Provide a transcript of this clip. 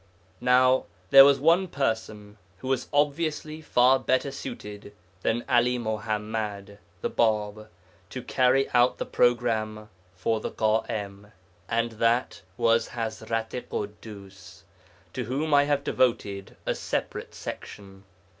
Now there was one person who was obviously far better suited than 'Ali Muḥammad (the Bāb) to carry out the programme for the Ḳa'im, and that was Hazrat i' Ḳuddus (to whom I have devoted a separate section).